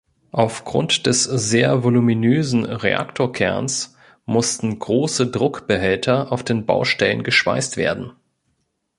Aufgrund des sehr voluminösen Reaktorkerns mussten große Druckbehälter auf den Baustellen geschweißt werden.